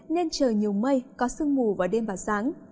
nên trời nhiều mây có sương mù vào đêm và sáng